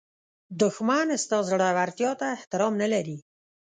دښمن ستا زړورتیا ته احترام نه لري